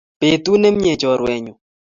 Betut nemnyee chorwenyu